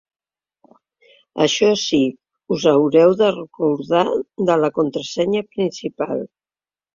Això sí, us haureu de recordar de la contrasenya principal!